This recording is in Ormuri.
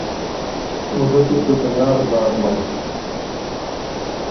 او دۀ کی ر سُو تیار زاک بئ۔